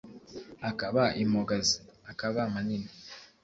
akaba impogazi: akaba manini